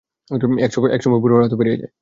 এক সময় পুরো রাতও পেরিয়ে যায়।